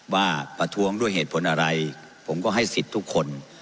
ประท้วงด้วยเหตุผลอะไรผมก็ให้สิทธิ์ทุกคน